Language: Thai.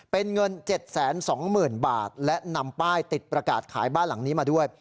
เป็นเงิน๗๒๐๐๐บาทและนำป้ายติดประกาศขายบ้านหลังนี้มาด้วย